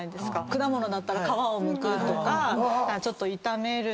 果物だったら皮をむくとかちょっと炒める。